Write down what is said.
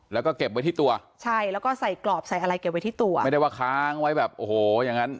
แล้วก็เก็บไว้ที่ตัวใช่แล้วก็ใส่กรอบใส่อะไรเก็บไว้ที่ตัวไม่ได้ว่าค้างไว้แบบโอ้โหอย่างงั้น